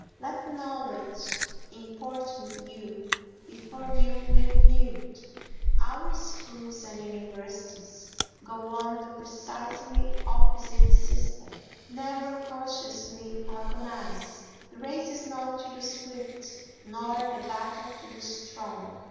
Let knowledge importune you before you will hear it. Our schools and universities go on the precisely opposite system. Never consciously agonise; the race is not to the swift, nor the battle to the strong.